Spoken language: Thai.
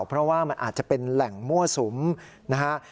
เพราะว่ามันอาจจะเป็นแหล่งมั่วสุมนะฮะ